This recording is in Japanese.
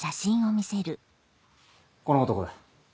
この男だ。